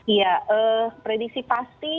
iya prediksi pasti